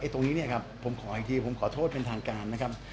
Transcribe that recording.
ตรงนี้เนี่ยครับผมขออีกทีผมขอโทษเป็นทางการนะครับ